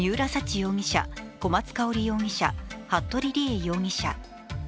容疑者、小松香織容疑者、服部理江容疑者。